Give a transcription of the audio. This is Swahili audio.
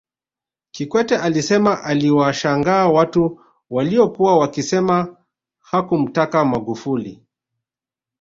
Kikwete alisema aliwashangaa watu waliokuwa wakisema hakumtaka Magufuli